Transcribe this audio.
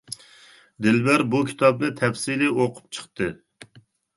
دىلبەر بۇ كىتابنى تەپسىلىي ئوقۇپ چىقتى.